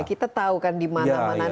kita tahu kan di mana mana